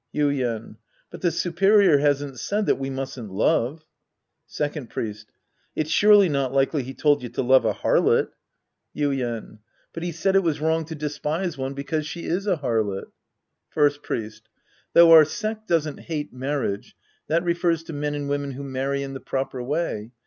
Yuien. But the superior hasn't said that we mustn't love. Second Priest. It's surely not likely he told you to love a harlot. Sc, I The Priest and His Disciples i87 Yuien. But he said it was wrong to despise one because she is a harlot. First Priest. Though our sect doesn't hate mar riage, that refers to men and women who marry in the proper way.